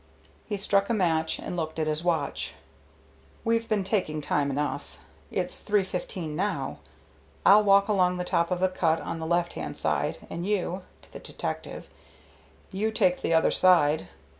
He struck a match and looked at his watch. "We've been taking time enough. It's three fifteen now. I'll walk along the top of the cut on the left hand side, and you " to the detective "you take the other side.